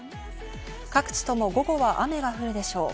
各地とも午後は雨が降るでしょう。